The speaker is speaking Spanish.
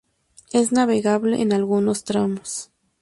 Es navegable en algunos tramos.